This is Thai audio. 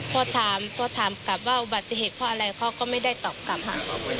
พอถามพอถามกลับว่าอุบัติเหตุเพราะอะไรเขาก็ไม่ได้ตอบกลับค่ะ